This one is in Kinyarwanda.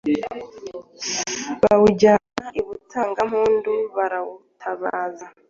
bawujyana i Butangampundu, barawutabaza